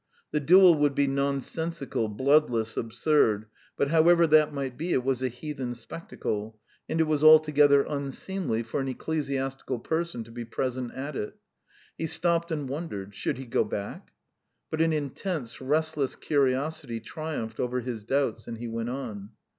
The duel would be nonsensical, bloodless, absurd, but however that might be, it was a heathen spectacle, and it was altogether unseemly for an ecclesiastical person to be present at it. He stopped and wondered should he go back? But an intense, restless curiosity triumphed over his doubts, and he went on.